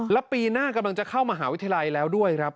แล้วปีหน้ากำลังจะเข้ามหาวิทยาลัยแล้วด้วยครับ